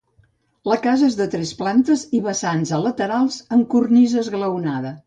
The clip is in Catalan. La casa és de tres plantes i vessants a laterals, amb cornisa esglaonada.